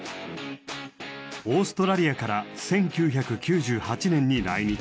オーストラリアから１９９８年に来日。